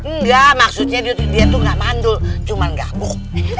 nggak maksudnya dia tuh nggak mandul cuma gabuk